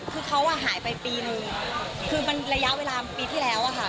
คือเขาอ่ะหายไปปีนึงคือมันระยะเวลาปีที่แล้วอะค่ะ